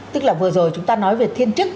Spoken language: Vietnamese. tức là vừa rồi chúng ta nói về thiên chức